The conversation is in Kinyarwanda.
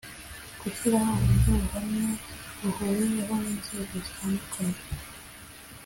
Gushyiraho uburyo buhamye buhuriweho n inzego zitandukanye